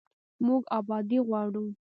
موږ ابادي غواړو